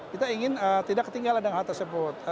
kita ingin tidak ketinggalan dengan hal tersebut